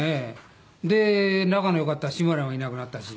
で仲の良かった志村もいなくなったし。